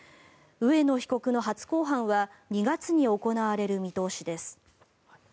植野被告の初公判は２月に行われる見通しです。